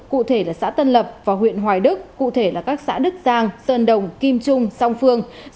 cụ thể là xã tân lập và huyện hoài đức cụ thể là các xã đức giang sơn đồng kim trung song phương